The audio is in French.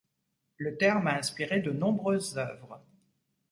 Le terme a inspiré de nombreuses œuvres.